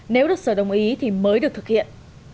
nếu được sở đồng ý thì mới được thực hiện